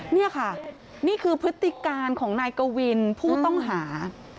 นี่ค่ะนี่คือพฤติการของนายกวินผู้ต้องหา